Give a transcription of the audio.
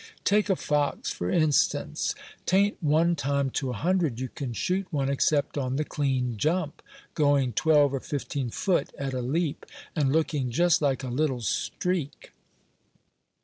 Take a fox, for instance; 'tain't one time to a hundred you can shoot one, except on the clean jump, going twelve or fifteen foot at a leap, and looking just like a little streak.